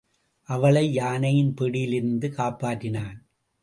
அவளை யானையின் பிடியிலிருந்து காப்பாற்றினான்.